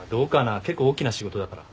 結構大きな仕事だから。